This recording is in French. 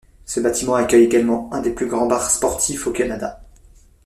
Ce bâtiment accueille également un des plus grands bars sportifs au Canada.